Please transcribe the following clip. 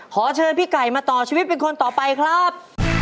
ขอเชิญพี่ไก่มาต่อชีวิตเป็นคนต่อไปครับ